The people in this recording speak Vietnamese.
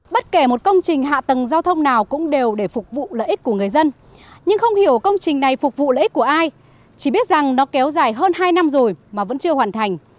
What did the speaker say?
bất kể một công trình hạ tầng giao thông nào cũng đều để phục vụ lợi ích của người dân nhưng không hiểu công trình này phục vụ lợi ích của ai chỉ biết rằng nó kéo dài hơn hai năm rồi mà vẫn chưa hoàn thành